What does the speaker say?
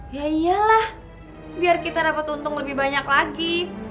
ya iyalah biar kita dapat untung lebih banyak lagi